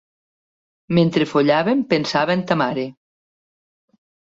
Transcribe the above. Mentre follàvem pensava en ta mare.